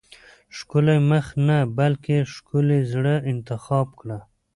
ښکلی مخ نه بلکې ښکلي زړه انتخاب کړه.